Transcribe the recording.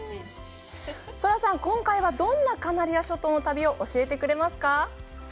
ソラさん、今回はどんなカナリア諸島の旅を教えてくれますか？